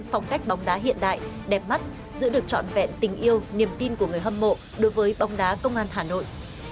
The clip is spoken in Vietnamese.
phong cách bóng đá hiện đại đẹp mắt giữ được trọn vẹn tình yêu niềm tin của người hâm mộ đối với bóng đá công an hà nội